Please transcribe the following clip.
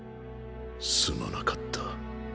すまなかった。